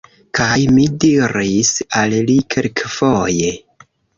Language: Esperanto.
Kaj mi diris al li kelkfoje: